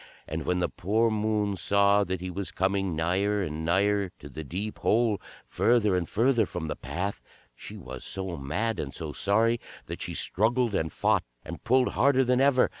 And when the poor Moon saw that he was coming nigher and nigher to the deep hole, further and further from the path, she was so mad and so sorry that she struggled and fought and pulled harder than ever.